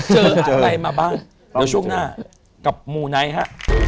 เจออะไรมาบ้างเดี๋ยวช่วงหน้ากับมูไนท์ฮะ